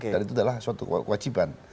dan itu adalah suatu kewajiban